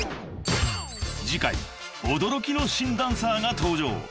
［次回驚きの新ダンサーが登場］